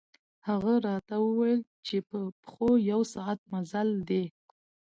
هغه راته ووېل چې په پښو یو ساعت مزل دی.